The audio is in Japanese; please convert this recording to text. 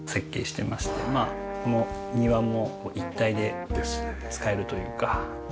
まあ庭も一体で使えるというか。